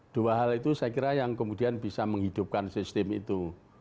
dua hal itu saya kira yang kemudian bisa menghidupkan sistem itu